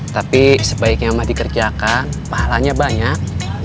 tapi sebaiknya mau dikerjakan pahalanya banyak